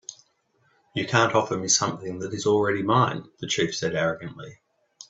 "You can't offer me something that is already mine," the chief said, arrogantly.